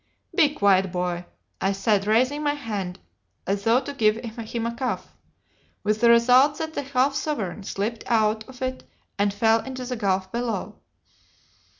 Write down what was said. "'Be quiet, boy!' I said, raising my hand as though to give him a cuff, with the result that the half sovereign slipped out of it and fell into the gulf below.